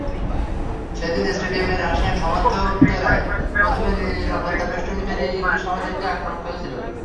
সেদিন স্টেডিয়ামে রাশিয়ান সমর্থকেরাই প্রথমে নিরাপত্তাবেষ্টনী পেরিয়ে ইংলিশ সমর্থকদের আক্রমণ করেছিল।